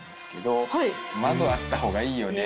「窓あったほうがいいよね」